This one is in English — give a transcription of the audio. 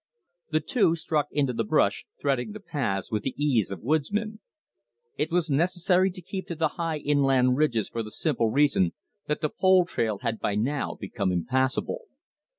The two struck into the brush, threading the paths with the ease of woodsmen. It was necessary to keep to the high inland ridges for the simple reason that the pole trail had by now become impassable.